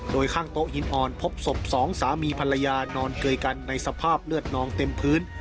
โดยข้างโต๊ะหินอ่อนพบศพสองสามีภรรยานอนเกยกันในสภาพเลือดนองเต็มพื้น